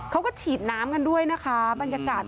เขาก็ฉีดน้ำกันด้วยนะคะบรรยากาศ